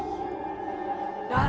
datanglah ayam lunir